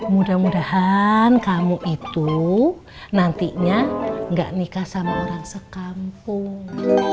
mudah mudahan kamu itu nantinya gak nikah sama orang sekampung